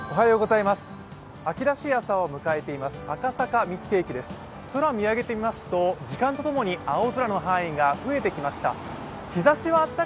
赤坂見附駅です、空を見上げてみますと、時間とともに青空の範囲が増えてきました。